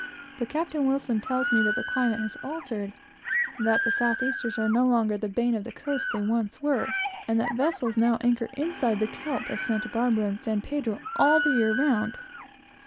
But Captain Wilson tells me that the climate has altered; that the southeasters are no longer the bane of the coast they once were, and that vessels now anchor inside the kelp at Santa Barbara and San Pedro all the year round.